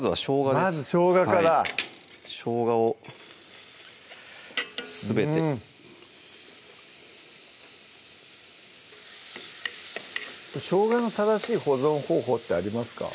まずしょうがからしょうがをすべてしょうがの正しい保存方法ってありますか？